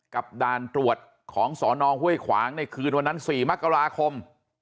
ด่านตรวจของสนห้วยขวางในคืนวันนั้น๔มกราคม